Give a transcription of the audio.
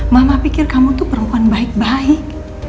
mama pikir kamu tuh perempuan baik baik